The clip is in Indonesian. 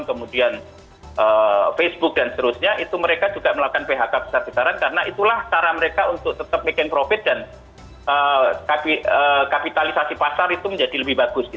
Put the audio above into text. kemudian facebook dan seterusnya itu mereka juga melakukan phk besar besaran karena itulah cara mereka untuk tetap making profit dan kapitalisasi pasar itu menjadi lebih bagus